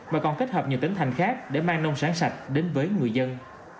mà còn kết hợp nhiều tỉnh thành khác để mang nông sản sạch đến với người dân